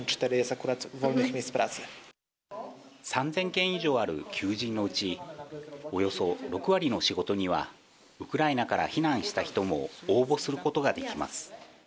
３０００件以上ある求人のうち、およそ６割の仕事にはウクライナから避難した人も応募することができます。